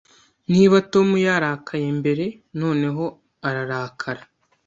Niba Tom yarakaye mbere, noneho ararakara